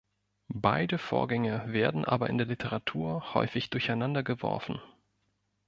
Beide Vorgänge werden aber in der Literatur häufig durcheinander geworfen.